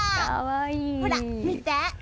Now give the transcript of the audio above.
ほら、見て。